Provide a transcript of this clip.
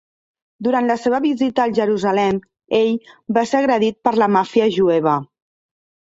Durant la seva visita a Jerusalem, ell va ser agredit per la màfia jueva.